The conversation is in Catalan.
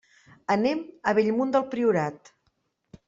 Anem a Bellmunt del Priorat.